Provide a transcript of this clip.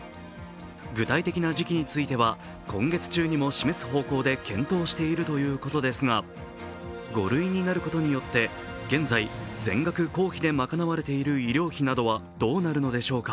具体的な時期については、今月中にも示す方向で検討しているということですが５類になることによって現在、全額公費で賄われている医療費などはどうなるのでしょうか。